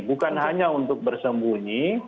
bukan hanya untuk bersembunyi